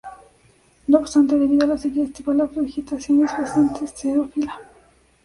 No obstante, debido a la sequía estival, la vegetación es bastante xerófila.